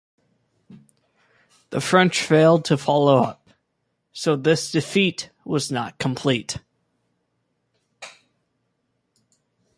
The French failed to follow up, so this defeat was not complete.